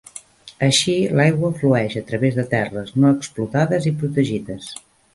Així, l'aigua flueix a través de terres no explotades i protegides.